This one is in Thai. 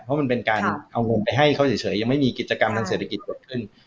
เพราะมันเป็นการเอาเงินไปให้เขาเฉยยังไม่มีกิจกรรมทางเศรษฐกิจเกิดขึ้น